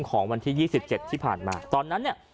ของวันที่๒๗ที่ผ่านมาตอนนั้นเนี่ย